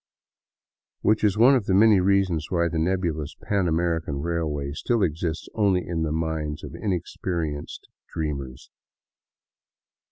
Which is one of the many reasons why the nebulous " Pan American Railway " still exists only in the minds of inexperienced dreamers.